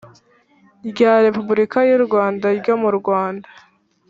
rya Repubulika y u Rwanda ryo murwanda